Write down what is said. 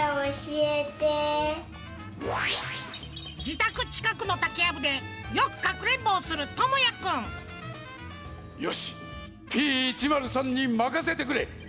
じたくちかくのたけやぶでよくかくれんぼをするともやくんよしＰ１０３にまかせてくれ。